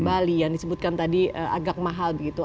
bali yang disebutkan tadi agak mahal begitu